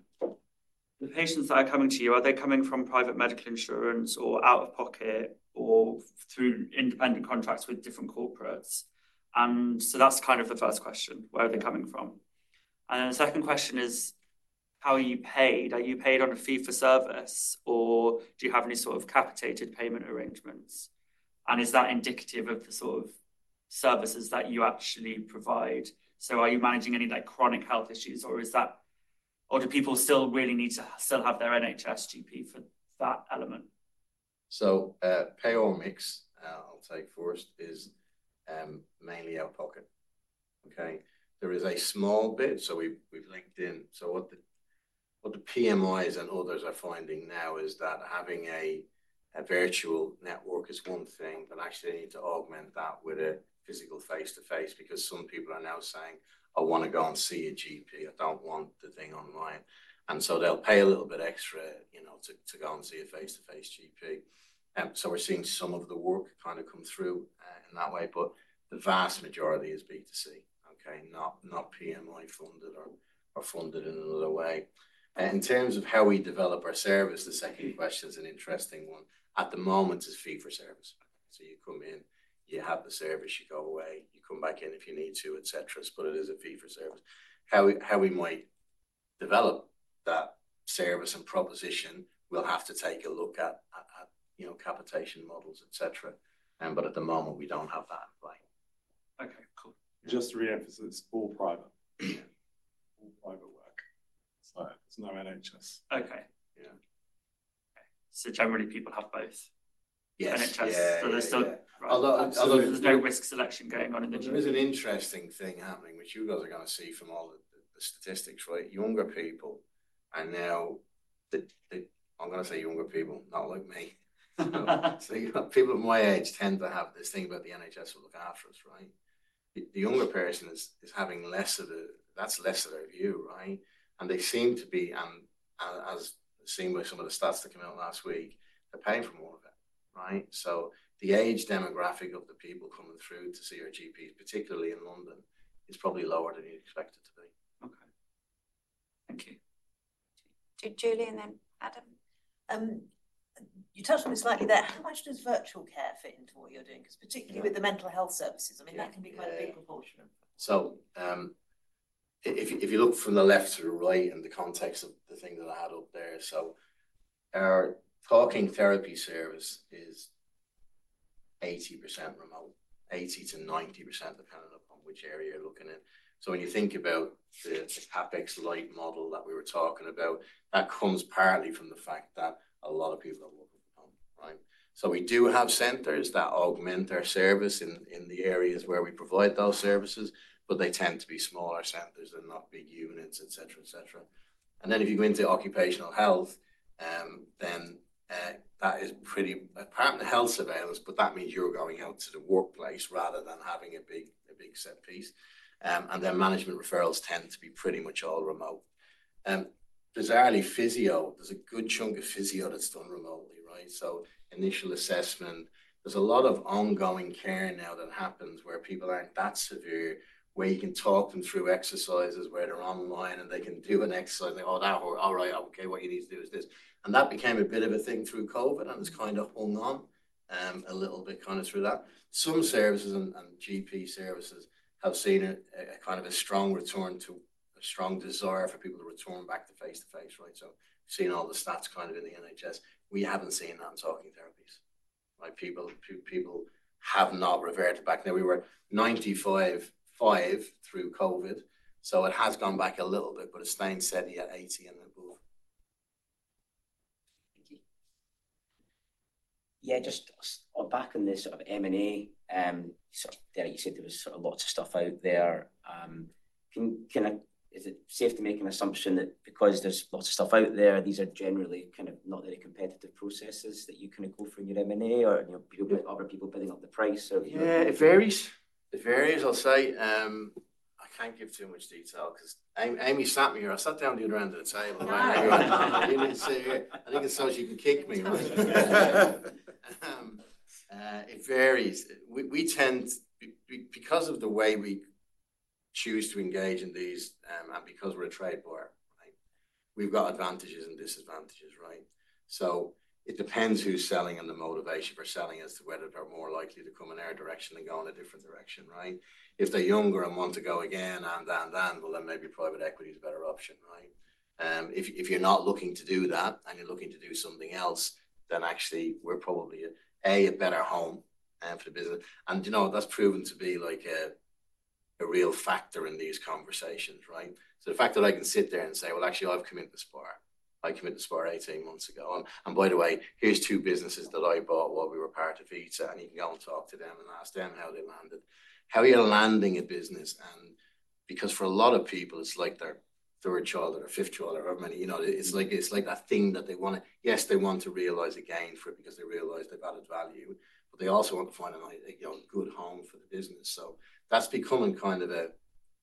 The patients that are coming to you, are they coming from private medical insurance or out of pocket or through independent contracts with different corporates? That is kind of the first question, where are they coming from? The second question is, how are you paid? Are you paid on a fee for service or do you have any sort of capitated payment arrangements? Is that indicative of the sort of services that you actually provide? Are you managing any chronic health issues or do people still really need to still have their NHS GP for that element? Payor mix, I will take first, is mainly out of pocket. There is a small bit, so we have linked in. What the PMIs and others are finding now is that having a virtual network is one thing, but actually they need to augment that with a physical face-to-face because some people are now saying, "I want to go and see a GP. I do not want the thing online." They will pay a little bit extra, you know, to go and see a face-to-face GP. We are seeing some of the work kind of come through in that way. The vast majority is B2C, okay? Not PMI funded or funded in another way. In terms of how we develop our service, the second question is an interesting one. At the moment it is fee for service. You come in, you have the service, you go away, you come back in if you need to, etc. It is a fee for service. How we might develop that service and proposition, we'll have to take a look at, you know, capitation models, etc. But at the moment, we don't have that in play. Okay, cool. Just to re-emphasize, it's all private. All private work. So it's no NHS. Okay. Yeah. Okay. So generally people have both? Yes. NHS. So there's no risk selection going on in the gym. There is an interesting thing happening, which you guys are going to see from all the statistics, right? Younger people are now, I'm going to say younger people, not like me. So people of my age tend to have this thing about the NHS will look after us, right? The younger person is having less of a, that's less of a view, right? They seem to be, and as seen by some of the stats that came out last week, they're paying for more of it, right? The age demographic of the people coming through to see our GPs, particularly in London, is probably lower than you expect it to be. Okay. Thank you. Julian and Adam, you touched on this slightly there. How much does virtual care fit into what you're doing? Because particularly with the mental health services, I mean, that can be quite a big proportion of. If you look from the left to the right in the context of the thing that I had up there, our talking therapy service is 80% remote, 80-90% dependent upon which area you're looking at. When you think about the CapEx light model that we were talking about, that comes partly from the fact that a lot of people are working from home, right? We do have centers that augment our service in the areas where we provide those services, but they tend to be smaller centers and not big units, etc., etc. If you go into occupational health, that is pretty, apart from the health surveillance, but that means you're going out to the workplace rather than having a big set piece. Management referrals tend to be pretty much all remote. There's a good chunk of physio that's done remotely, right? Initial assessment, there's a lot of ongoing care now that happens where people aren't that severe, where you can talk them through exercises where they're online and they can do an exercise and they're all, "Oh, all right, okay, what you need to do is this." That became a bit of a thing through COVID and it's kind of hung on a little bit through that. Some services and GP services have seen a kind of a strong return to a strong desire for people to return back to face-to-face, right? Seeing all the stats kind of in the NHS, we haven't seen that in talking therapies. People have not reverted back. Now we were 95-5 through COVID. It has gone back a little bit, but it's staying steady at 80 and above. Thank you. Yeah, just back on this sort of M&A, you said there was sort of lots of stuff out there. Is it safe to make an assumption that because there's lots of stuff out there, these are generally kind of not very competitive processes that you kind of go for in your M&A or you'll be able to offer people bidding up the price? Yeah, it varies. It varies, I'll say. I can't give too much detail because Amy sat me here. I sat down to you around the table. I didn't see you. I think it's so she can kick me. It varies. We tend, because of the way we choose to engage in these and because we're a trade buyer, right? We've got advantages and disadvantages, right? It depends who's selling and the motivation for selling as to whether they're more likely to come in our direction and go in a different direction, right? If they're younger and want to go again, then maybe private equity is a better option, right? If you're not looking to do that and you're looking to do something else, then actually we're probably a better home for the business. You know, that's proven to be like a real factor in these conversations, right? The fact that I can sit there and say, "Actually, I've committed this bar. I committed this bar 18 months ago." By the way, here's two businesses that I bought while we were part of Vita, and you can go and talk to them and ask them how they landed. How are you landing a business? For a lot of people, it's like their third child or their fifth child or however many, you know, it's like a thing that they want to, yes, they want to realize a gain for it because they realize they've added value, but they also want to find a good home for the business. That is becoming kind of a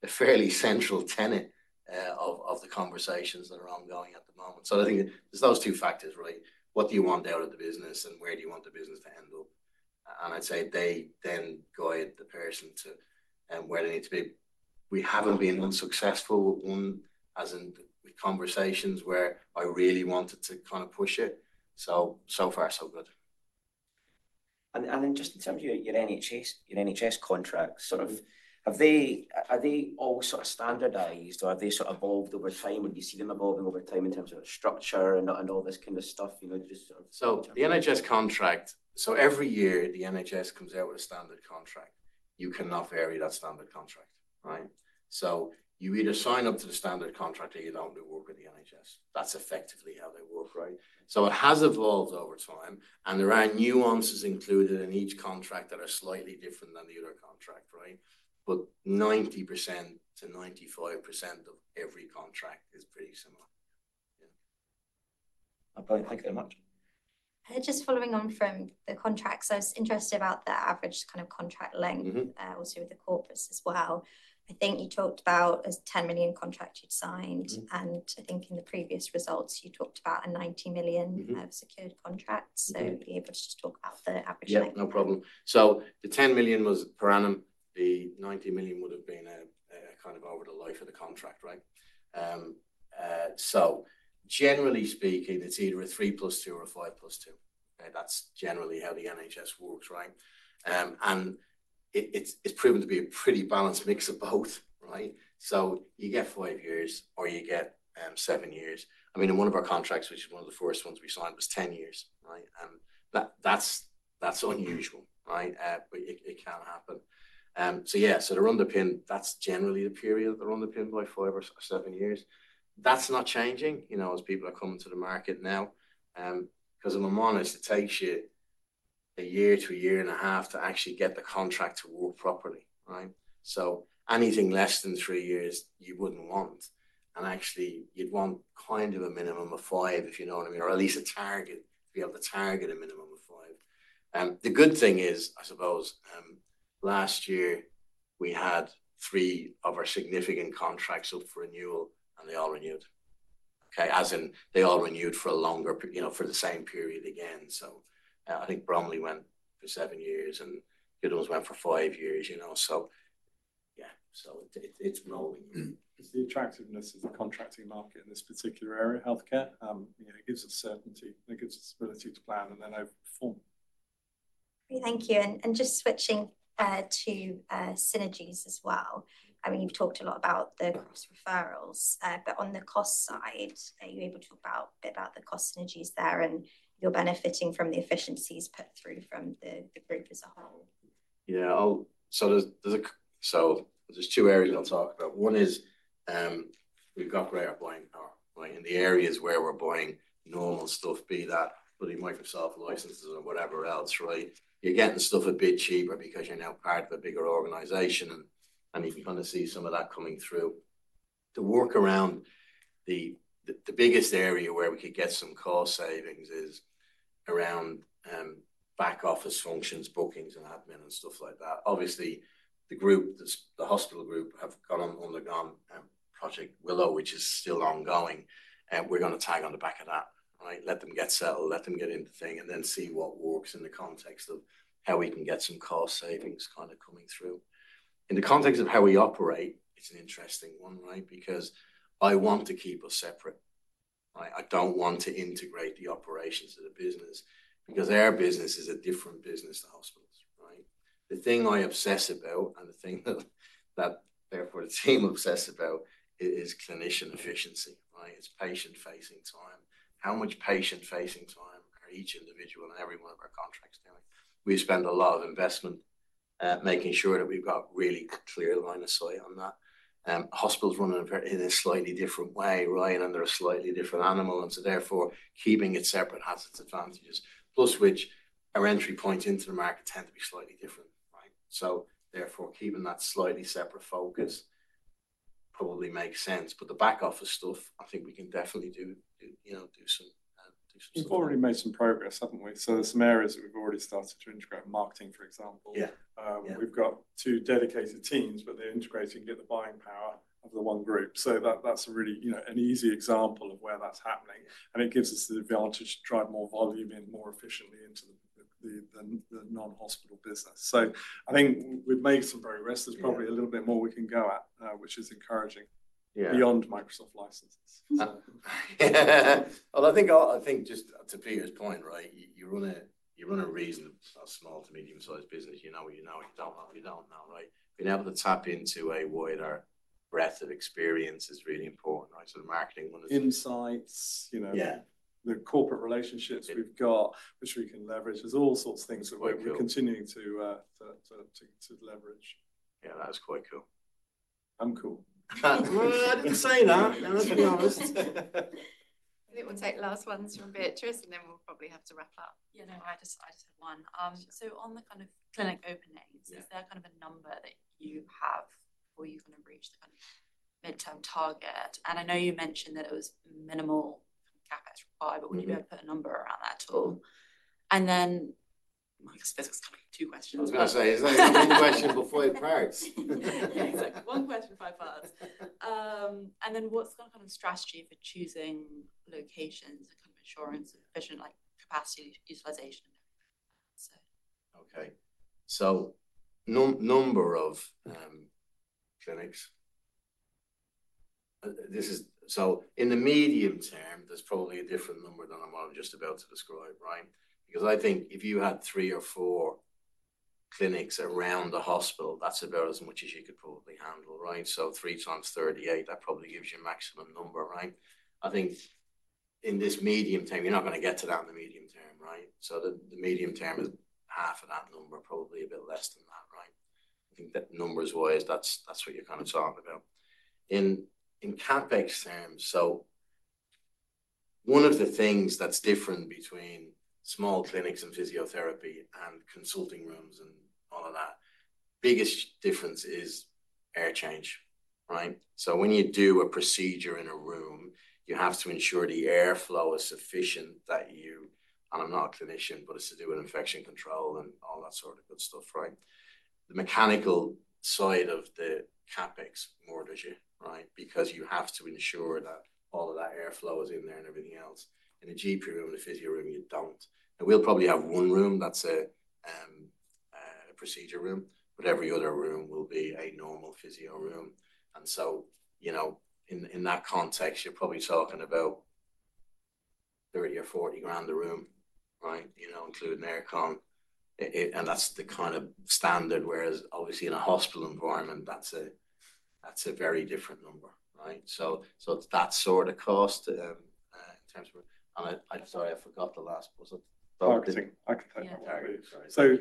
fairly central tenet of the conversations that are ongoing at the moment. I think there are those two factors, right? What do you want out of the business and where do you want the business to end up? I'd say they then guide the person to where they need to be. We haven't been unsuccessful with one, as in with conversations where I really wanted to kind of push it. So far, so good. Just in terms of your NHS contracts, are they all sort of standardized or have they evolved over time? Would you see them evolving over time in terms of structure and all this kind of stuff, you know? The NHS contract, every year the NHS comes out with a standard contract. You cannot vary that standard contract, right? You either sign up to the standard contract or you do not work with the NHS. That is effectively how they work, right? It has evolved over time and there are nuances included in each contract that are slightly different than the other contract, right? But 90%-95% of every contract is pretty similar. Yeah. Thank you very much. Just following on from the contracts, I was interested about the average kind of contract length also with the corporates as well. I think you talked about a 10 million contract you'd signed and I think in the previous results you talked about a 90 million secured contract. So be able to just talk about the average length. Yeah, no problem. So the 10 million was per annum, the 90 million would have been a kind of over the life of the contract, right? Generally speaking, it's either a 3 plus 2 or a 5 plus 2. That's generally how the NHS works, right? It's proven to be a pretty balanced mix of both, right? You get five years or you get seven years. I mean, in one of our contracts, which is one of the first ones we signed, it was 10 years, right? That's unusual, right? It can happen. Yeah, the rundown, that's generally the period that they're underpinned by, five or seven years. That's not changing, you know, as people are coming to the market now. In the monitors, it takes you a year to a year and a half to actually get the contract to work properly, right? Anything less than three years you wouldn't want. Actually, you'd want kind of a minimum of five, if you know what I mean, or at least a target, to be able to target a minimum of five. The good thing is, I suppose, last year we had three of our significant contracts up for renewal and they all renewed. Okay, as in they all renewed for a longer, you know, for the same period again. I think Bromley went for seven years and Guildford went for five years, you know. Yeah, it's rolling. It's the attractiveness of the contracting market in this particular area, healthcare. It gives us certainty. It gives us the ability to plan and then over perform. Thank you. Just switching to synergies as well. I mean, you've talked a lot about the cross-referrals, but on the cost side, are you able to talk a bit about the cost synergies there and you're benefiting from the efficiencies put through from the group as a whole? Yeah, there's two areas I'll talk about. One is we've got greater buying power, right? And the areas where we're buying normal stuff, be that putting Microsoft licenses or whatever else, right? You're getting stuff a bit cheaper because you're now part of a bigger organization and you can kind of see some of that coming through. To work around, the biggest area where we could get some cost savings is around back office functions, bookings and admin and stuff like that. Obviously, the group, the hospital group have undergone Project Willow, which is still ongoing. We're going to tag on the back of that, right? Let them get settled, let them get into thing and then see what works in the context of how we can get some cost savings kind of coming through. In the context of how we operate, it's an interesting one, right? Because I want to keep us separate, right? I don't want to integrate the operations of the business because our business is a different business to hospitals, right? The thing I obsess about and the thing that therefore the team obsesses about is clinician efficiency, right? It's patient-facing time. How much patient-facing time are each individual and every one of our contracts doing? We spend a lot of investment making sure that we've got really clear line of sight on that. Hospitals run in a slightly different way, right? They're a slightly different animal. Therefore, keeping it separate has its advantages. Plus, our entry points into the market tend to be slightly different, right? Therefore, keeping that slightly separate focus probably makes sense. The back office stuff, I think we can definitely do, you know, do some stuff. We've already made some progress, haven't we? There are some areas that we've already started to integrate marketing, for example. We've got two dedicated teams, but they're integrating to get the buying power of the one group. That's a really, you know, an easy example of where that's happening. It gives us the advantage to drive more volume in more efficiently into the non-hospital business. I think we've made some progress. There's probably a little bit more we can go at, which is encouraging beyond Microsoft licenses. I think just to Peter's point, right? You run a reasonable small to medium-sized business. You know what you know. You don't know what you don't know, right? Being able to tap into a wider breadth of experience is really important, right? The marketing one is insights, you know, the corporate relationships we've got, which we can leverage. There's all sorts of things that we're continuing to leverage. Yeah, that's quite cool. I'm cool. I didn't say that. I'll be honest. I think we'll take last ones from Beatrice and then we'll probably have to wrap up. Yeah, no, I just had one. So on the kind of clinic openings, is there kind of a number that you have before you kind of reach the kind of midterm target? I know you mentioned that it was minimal CapEx required, but would you be able to put a number around that at all? I suppose it's kind of two questions. I was going to say, is there any question before it breaks? Yeah, exactly. One question by far. What's the kind of strategy for choosing locations and kind of insurance and efficient capacity utilization? Okay. So number of clinics. In the medium term, there's probably a different number than I'm just about to describe, right? Because I think if you had three or four clinics around the hospital, that's about as much as you could probably handle, right? So three times 38, that probably gives you a maximum number, right? I think in this medium term, you're not going to get to that in the medium term, right? So the medium term is half of that number, probably a bit less than that, right? I think that numbers wise, that's what you're kind of talking about. In CapEx terms, so one of the things that's different between small clinics and physiotherapy and consulting rooms and all of that, the biggest difference is air change, right? So when you do a procedure in a room, you have to ensure the airflow is sufficient that you, and I'm not a clinician, but it's to do with infection control and all that sort of good stuff, right? The mechanical side of the CapEx mortgage, right? Because you have to ensure that all of that airflow is in there and everything else. In a GP room, in a physio room, you do not. We will probably have one room that is a procedure room, but every other room will be a normal physio room. You know, in that context, you are probably talking about 30,000-40,000 a room, right? You know, including aircon. That is the kind of standard, whereas obviously in a hospital environment, that is a very different number, right? That sort of cost in terms of, and I am sorry, I forgot the last part. I can take my way.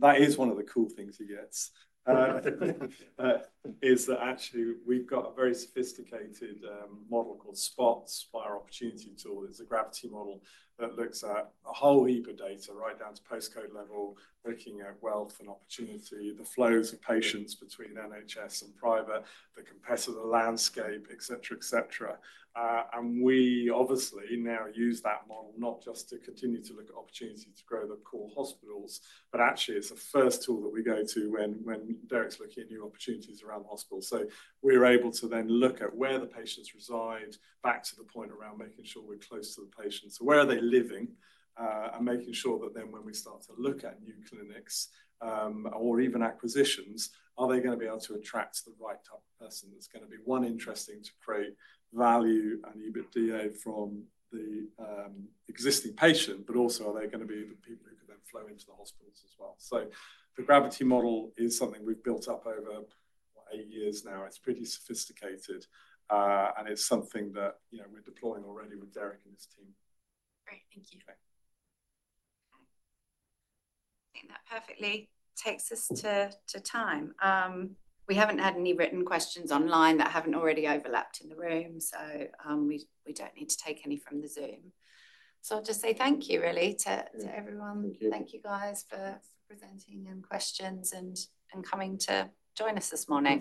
That is one of the cool things he gets, is that actually we have got a very sophisticated model called SPOTS (Spire Opportunity Tool. It's a gravity model that looks at a whole heap of data, right? Down to postcode level, looking at wealth and opportunity, the flows of patients between NHS and private, the competitor landscape, etc., etc. We obviously now use that model not just to continue to look at opportunities to grow the core hospitals, but actually it's the first tool that we go to when Derrick's looking at new opportunities around the hospital. We're able to then look at where the patients reside back to the point around making sure we're close to the patients. Where are they living and making sure that then when we start to look at new clinics or even acquisitions, are they going to be able to attract the right type of person that's going to be, one, interesting to create value and even EBITDA from the existing patient, but also are they going to be the people who could then flow into the hospitals as well? The gravity model is something we've built up over eight years now. It's pretty sophisticated and it's something that, you know, we're deploying already with Derrick and his team. Great. Thank you. I think that perfectly takes us to time. We haven't had any written questions online that haven't already overlapped in the room, so we don't need to take any from the Zoom. I'll just say thank you, really, to everyone. Thank you. Thank you guys for presenting and questions and coming to join us this morning.